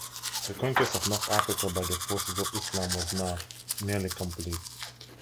The conquest of North Africa by the forces of Islam was now nearly complete.